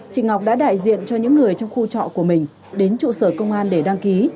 chị ngọc đã đại diện cho những người trong khu trọ của mình đến trụ sở công an để đăng ký